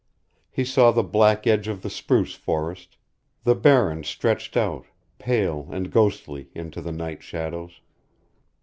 He saw the black edge of the spruce forest; the barren stretched out, pale and ghostly, into the night shadows.